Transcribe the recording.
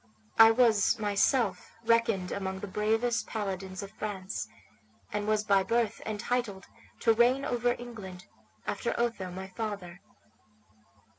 I was myself reckoned among the bravest paladins of France, and was by birth entitled to reign over England, after Otho, my father.